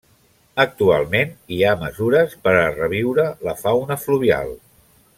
Actualment, hi ha mesures per a reviure la fauna fluvial.